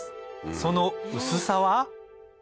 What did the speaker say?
その薄さは？